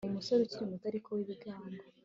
umusore ukuri muto ariko wibigango